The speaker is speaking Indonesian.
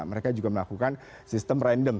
mereka juga melakukan sistem random